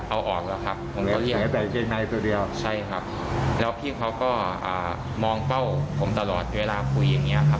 เอาออกหรือครับใช่ครับแล้วพี่เขาก็มองเป้าผมตลอดเวลาคุยอย่างนี้ครับ